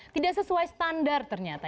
tidak sesuai standar ternyata